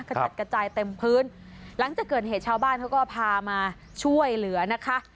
กระจัดกระจายเต็มพื้นหลังจากเกิดเหตุชาวบ้านเขาก็พามาช่วยเหลือนะคะ